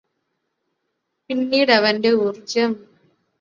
പിന്നീട് അവന്റെ ഊര്ജ്ജം